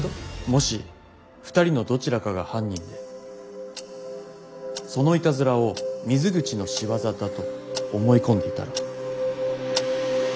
もし２人のどちらかが犯人でそのイタズラを水口の仕業だと思い込んでいたら。